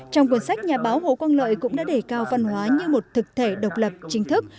trong cuốn sách nhà báo hồ quang lợi cũng đã đề cao văn hóa như một thực thể độc lập chính thức